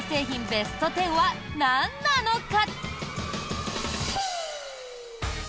ベスト１０はなんなのか？